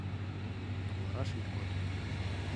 Но вараш ит код.